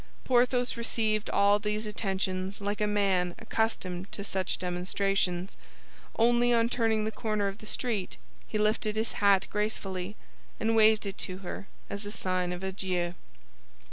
Porthos received all these attentions like a man accustomed to such demonstrations, only on turning the corner of the street he lifted his hat gracefully, and waved it to her as a sign of adieu.